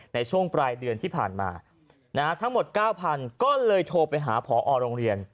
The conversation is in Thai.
ในช่วงปลายเดือนที่ผ่านมาทั้งหมด๙๐๐ก็เลยโทรไปหาพอโรงเรียน